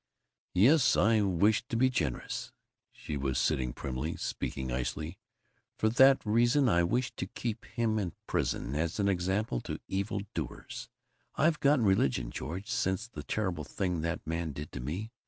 "Yes, I wish to be generous." She was sitting primly, speaking icily. "For that reason I wish to keep him in prison, as an example to evil doers. I've gotten religion, George, since the terrible thing that man did to me.